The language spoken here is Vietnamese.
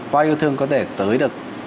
hoa yêu thương có thể tới được